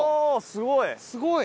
すごい！